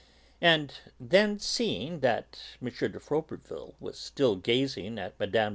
And then, seeing that M. de Froberville was still gazing at Mme.